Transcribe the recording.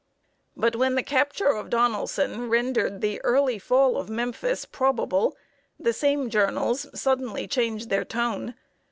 But when the capture of Donelson rendered the early fall of Memphis probable, the same journals suddenly changed their tone.